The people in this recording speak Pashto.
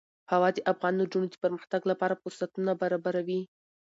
هوا د افغان نجونو د پرمختګ لپاره فرصتونه برابروي.